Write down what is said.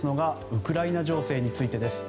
ウクライナ情勢についてです。